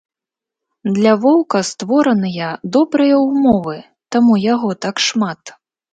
Для воўка створаныя добрыя ўмовы, таму яго так шмат.